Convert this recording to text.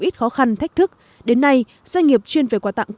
để khởi nghiệp thì cần có những